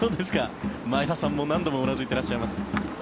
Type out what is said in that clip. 前田さんも何度もうなずいていらっしゃいます。